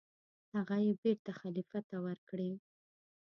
هغه یې بېرته خلیفه ته ورکړې.